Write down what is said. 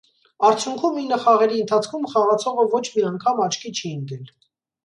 Արդյուքում ինը խաղերի ընթացքում խաղացողը ոչ մի անգամ աչքի չի ընկել։